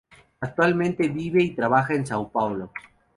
Actualmente vive y trabaja en São Paulo.